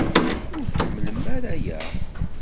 Ur tḥemmlem ara aya?